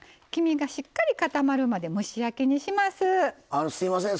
あのすいません。